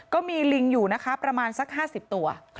ก็มีลิงอยู่นะคะประมาณสัก๕๐ตัว